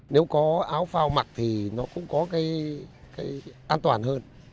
nếu có áo phao mặc thì nó cũng có cái an toàn hơn